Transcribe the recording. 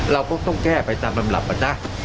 เราก็ต้องแก้ไปตามลำดับนะจ๊ะ